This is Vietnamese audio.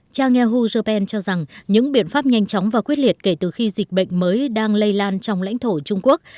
cha nghe hu japan cho rằng những biện pháp nhanh chóng và quyết liệt kể từ khi dịch bệnh mới đang lây lan trong lãnh thổ trung quốc